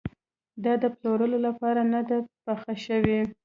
دا د پلورلو لپاره نه ده پخه شوې.